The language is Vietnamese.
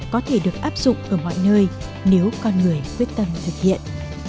có thể được áp dụng ở mọi nơi nếu con người quyết tâm thực hiện